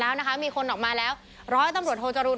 แล้วนะคะมีคนออกมาแล้วร้อยตำรวจโทจรูล